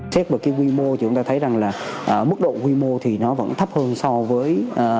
xét một cái quy mô chúng ta thấy rằng là mức độ quy mô thì nó vẫn thấp hơn so với